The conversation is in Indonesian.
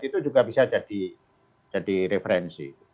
itu juga bisa jadi referensi